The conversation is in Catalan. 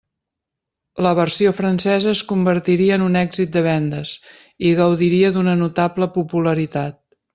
La versió francesa es convertiria en un èxit de vendes, i gaudiria d'una notable popularitat.